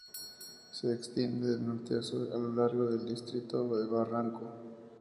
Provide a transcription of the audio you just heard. Se extiende de norte a sur a lo largo del distrito de Barranco.